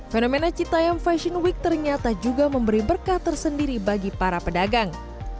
fenomena citayam fashion week ternyata juga memberi berkah tersendiri bagi para pedagang